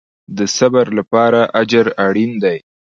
د صبر لپاره اجر اړین دی